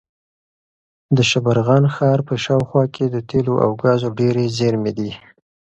د شبرغان ښار په شاوخوا کې د تېلو او ګازو ډېرې زېرمې دي.